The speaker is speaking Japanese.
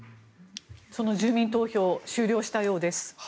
その住民投票終了したようです。